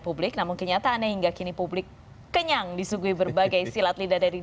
publik namun kenyataannya hingga kini publik kenyang disuguhi berbagai silat lidah dari